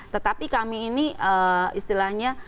tetapi kami ini istilahnya